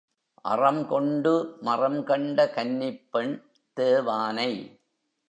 அறம்கொண்டு மறம் கண்ட கன்னிப் பெண் தேவானை.